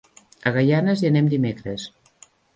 A Gaianes hi anem dimecres.